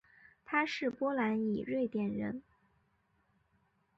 他是波兰裔瑞典人。